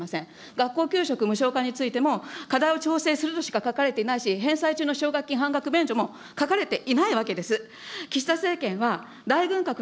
学校給食無償化についても、課題を調整するとしか書かれていないし、返済中の奨学金半額免除も書かれていないわけです。